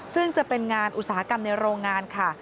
ซึ่งจะเป็นงานอุตสาหกรรมในโรงงานค่ะ